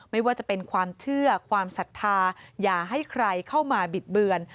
ไม่ว่าจะเป็นความเชื่อความศรัทธาอย่าให้ใครเข้ามาบิดเบือน